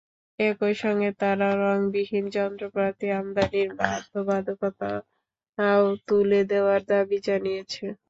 একই সঙ্গে তারা রংবিহীন যন্ত্রপাতি আমদানির বাধ্যবাধকতাও তুলে দেওয়ার দাবি জানিয়েছে।